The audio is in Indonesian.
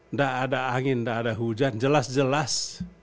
nggak ada angin tidak ada hujan jelas jelas